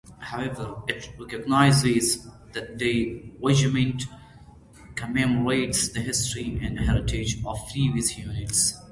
However, it recognizes that the Regiment commemorates the history and heritage of previous units.